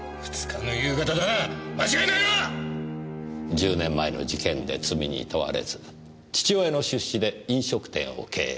１０年前の事件で罪に問われず父親の出資で飲食店を経営。